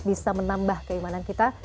bisa menambah keimanan kita